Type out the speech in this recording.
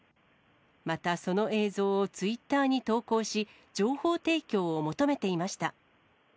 またその映像をツイッターに投稿し、情報提供を求めていました。